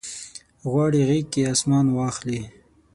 غواړي غیږ کې اسمان واخلي